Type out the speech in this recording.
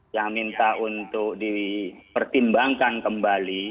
yang minta untuk di pertimbangkan kembali